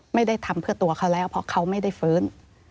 ไม่ได้ทำเพื่อตัวเขาแล้วเพราะเขาไม่ได้ฟื้น